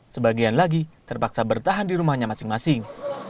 sebagian lagi terpaksa bertahan di rumahnya masing masing